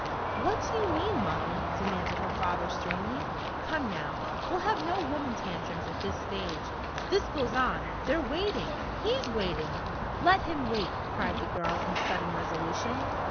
"What do you mean, Molly?" demanded her father sternly. "Come now, we'll have no woman tantrums at this stage! This goes on! They're waiting! He's waiting!" "Let him wait!" cried the girl in sudden resolution.